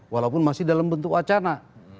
walaupun masih dalam bentuk wacana